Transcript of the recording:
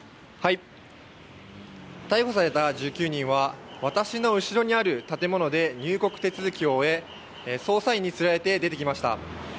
逮捕された１９人は私の後ろにある建物で入国手続きを終え捜査員に連れられ出てきました。